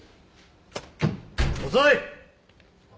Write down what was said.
遅い！